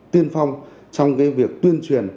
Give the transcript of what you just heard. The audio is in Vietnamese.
tiên phong trong việc tuyên truyền